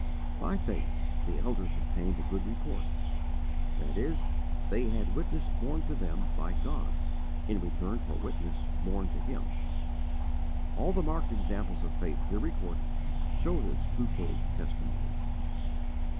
By faith "the elders obtained a good report," that is, they had witness borne to them by God in return for witness borne to Him. All the marked examples of faith here recorded show this twofold testimony.